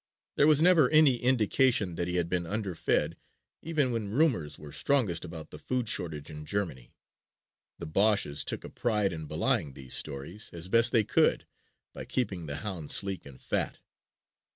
There was never any indication that he had been underfed even when rumors were strongest about the food shortage in Germany. The Boches took a pride in belying these stories, as best they could, by keeping the hound sleek and fat.